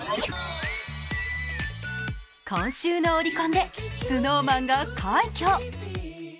今週のオリコンでＳｎｏｗＭａｎが快挙。